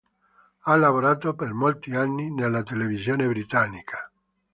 Ha lavorato per molti anni nella televisione britannica.